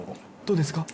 どうですか？